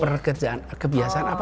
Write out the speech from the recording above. perkerjaan kebiasaan apa